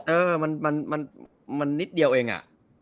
เออมันนิดเดียวเองอะ